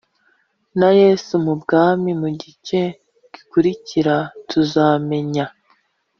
na yesu mu bwami mu gice gikurikira tuzamenya